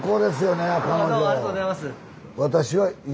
ありがとうございます。